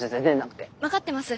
分かってます。